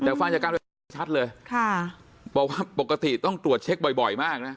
แต่ฟังจากการชัดเลยค่ะบอกว่าปกติต้องตรวจเช็กบ่อยบ่อยมากน่ะ